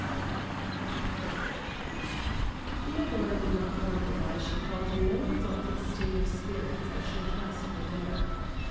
IV Theodora did not wonder why she felt in no exalted state of spirits as she dressed for dinner.